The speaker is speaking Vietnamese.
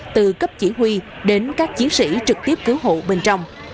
từ cấp chỉ huy đến các chiến sĩ trực tiếp cứu hộ bên trong